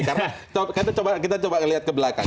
karena kita coba lihat ke belakang